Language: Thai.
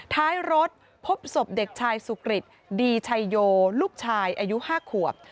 ท้ายรถพบศพเด็กชายสุกริตดีชัยโยลูกชายอายุ๕ขวบ